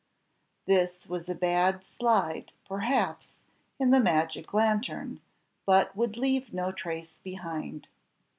This was a bad slide, perhaps, in the magic lantern, but would leave no trace behind.